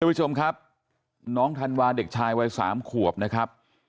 ผู้ชมครับน้องธันวาเด็กชายวัยสามขวบนะครับ